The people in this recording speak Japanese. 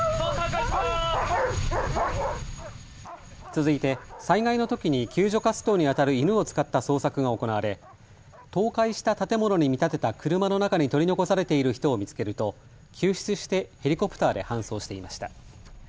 続いて災害のときに救助活動にあたる犬を使った捜索が行われ倒壊した建物に見立てた車の中に取り残されている人を見つけると救出してヘリコプターで搬送していました。